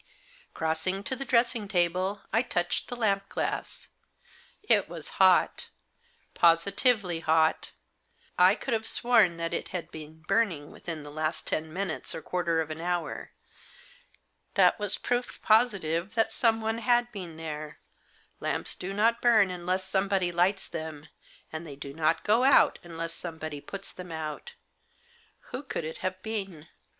Crossing to the dressing table, I touched the lamp glass. It was hot, positively hot. I could have sworn that it had been burning within the last ten minutes or quarter of an hour. That was proof positive that someone had been there — lamps do not burn unless somebody lights them, and they do not go out unless somebody puts them out. Who could it have been